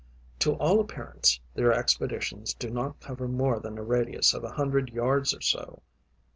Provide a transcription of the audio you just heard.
To all appearance, their expeditions do not cover more than a radius of a hundred yards or so.